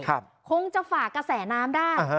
คงจะฝากกระแสน้ำได้